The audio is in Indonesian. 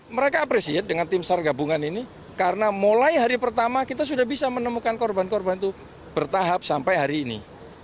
mereka apresiasi dengan tim sar gabungan ini karena mulai hari pertama kita sudah bisa menemukan korban korban itu bertahap sampai hari ini